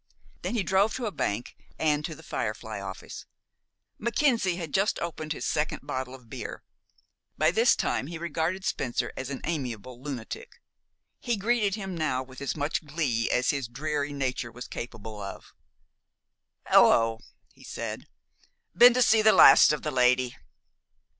Then he drove to a bank, and to "The Firefly" office. Mackenzie had just opened his second bottle of beer. By this time he regarded Spencer as an amiable lunatic. He greeted him now with as much glee as his dreary nature was capable of. "Hello!" he said. "Been to see the last of the lady?"